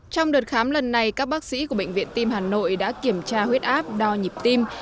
trong đợt khám lần này các bác sĩ của bệnh viện tim hà nội đã kiểm tra huyết áp đo nhịp tim